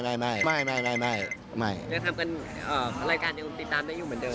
รายการปิดตามได้อยู่เหมือนเดิม